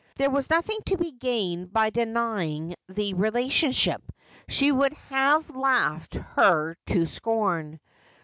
There was nothing to be gained by denying the relationship ; he would have laughed her to scorn.